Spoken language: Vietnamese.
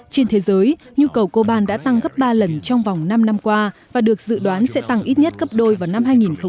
trên thế giới nhu cầu coban đã tăng gấp ba lần trong vòng năm năm qua và được dự đoán sẽ tăng ít nhất gấp đôi vào năm hai nghìn ba mươi